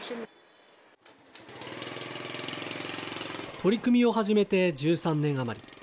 取り組みを始めて１３年余り。